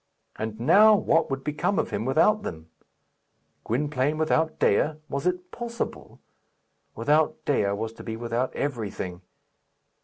And, now, what would become of him without them? Gwynplaine without Dea! Was it possible? Without Dea was to be without everything.